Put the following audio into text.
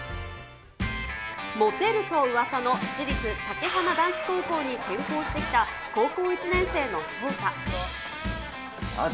モテるとうわさの私立武華男子高校に転校してきた高校１年生の勝誰だ？